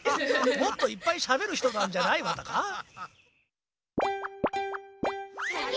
もっといっぱいしゃべる人なんじゃないわたか？